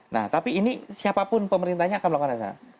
nah tapi ini siapapun pemerintahnya akan melakukan